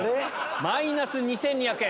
マイナス２２００円。